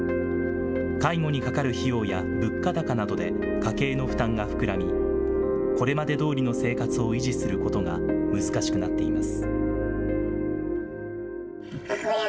介護にかかる費用や物価高などで家計の負担が膨らみ、これまでどおりの生活を維持することが難しくなっています。